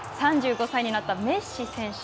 ３５歳になったメッシ選手。